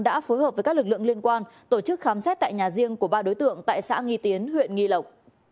đã phối hợp với các lực lượng liên quan tổ chức khám xét tại nhà riêng của ba đối tượng tại xã nghi tiến huyện nghi lộc